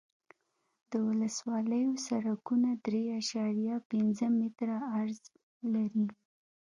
د ولسوالیو سرکونه درې اعشاریه پنځه متره عرض لري